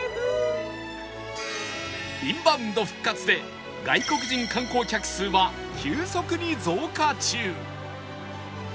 インバウンド復活で外国人観光客数は急速に増加中